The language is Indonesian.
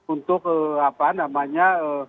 untuk apa namanya